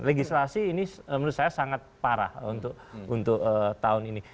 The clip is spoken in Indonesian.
legislasi ini menurut saya sangat parah untuk tahun ini